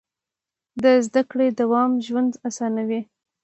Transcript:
د زده کړې دوام ژوند اسانوي.